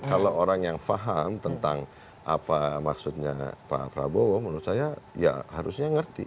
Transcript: kalau orang yang paham tentang apa maksudnya pak prabowo menurut saya ya harusnya ngerti